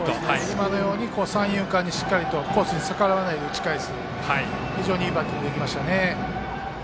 今のように三遊間にしっかりとコースに逆らわないで打ち返す非常にいいバッティングができましたね。